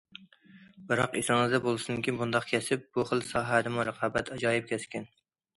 بىراق، ئېسىڭىزدە بولسۇنكى، بۇنداق كەسىپ، بۇ خىل ساھەدىمۇ رىقابەت ئاجايىپ كەسكىن.